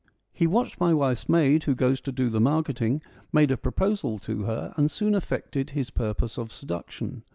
He watched my wife's maid who goes to do the mark eting, made a proposal to her, and soon effected his purpose of seduction.